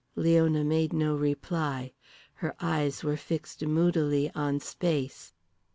Leona made no reply. Her eyes were fixed moodily on space.